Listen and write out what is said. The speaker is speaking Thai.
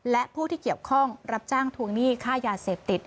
และผู้ที่เกี่ยวข้องรับจ้างทวงหนี้ค่ายาเสพติด